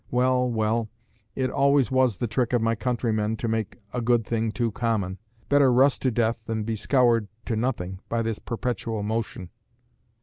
Well, well, it always was the trick of my countrymen to make a good thing too common. Better rust to death than be scoured to nothing by this perpetual motion."